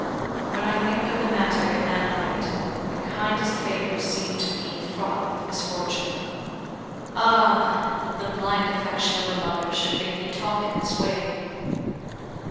When I think of the matter in that light, the kindest favors seem to me fraught with misfortune. Ah! that the blind affection of a mother should make me talk in this way!"